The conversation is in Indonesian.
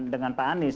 dengan pak anies